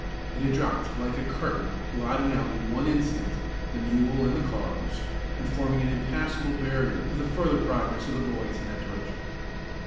It had dropped, like a curtain, blotting out, in one instant, the mule and the cars, and forming an impassable barrier to the further progress of the boys in that direction.